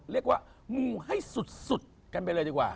เรียกว่ามูให้สุดกันไปเลยดีกว่า